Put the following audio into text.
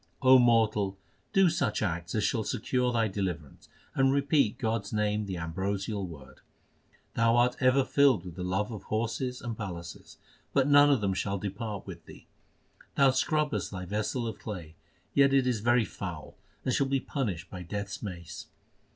O mortal, do such acts as shall secure thy deliverance, And repeat God s name the ambrosial word. Thou art ever filled with the love of horses and palaces, But none of them shall depart with thee. Thou scrubbest thy vessel of clay ; Yet it is very foul, and shall be punished by Death s mace.